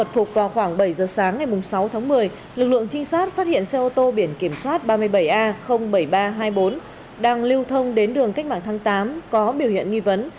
thuộc vào khoảng bảy giờ sáng ngày sáu tháng một mươi lực lượng trinh sát phát hiện xe ô tô biển kiểm soát ba mươi bảy a bảy nghìn ba trăm hai mươi bốn đang lưu thông đến đường cách mạng tháng tám có biểu hiện nghi vấn